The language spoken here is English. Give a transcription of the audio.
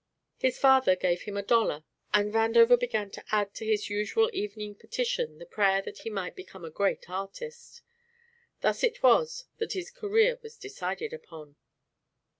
His father gave him a dollar and Vandover began to add to his usual evening petition the prayer that he might become a great artist. Thus it was that his career was decided upon.